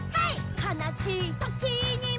「かなしいときにも」